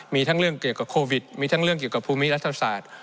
มีทั้งเรื่องเกี่ยวกับโควิดมีทั้งเรื่องเกี่ยวกับภูมิรัฐศาสตร์